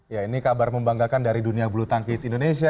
ya ini kabar membanggakan dari dunia bulu tangkis indonesia